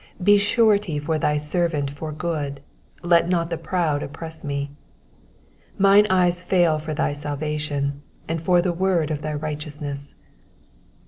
122 Be surety for thy servant for good : let not the proud oppress me. 123 Mine eyes fail for thy salvation, and for the word of thy righteousness.